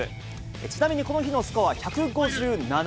ちなみにこの日のスコア１５７。